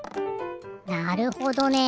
なるほどね。